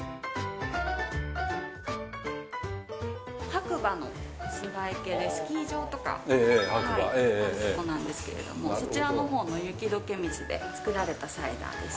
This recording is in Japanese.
白馬の栂池でスキー場とかあるとこなんですけれどもそちらの方の雪どけ水で作られたサイダーです。